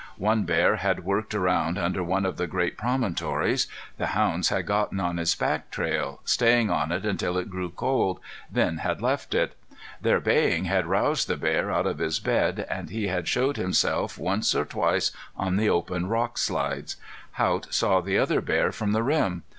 One bear had worked around under one of the great promontories. The hounds had gotten on his back trail, staying on it until it grew cold, then had left it. Their baying had roused the bear out of his bed, and he had showed himself once or twice on the open rock slides. Haught saw the other bear from the rim.